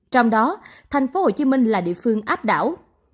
trong đó thành phố hồ chí minh là địa phương áp đảo